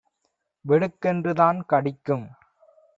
வெடுக்கென்று தான் கடிக்கும்.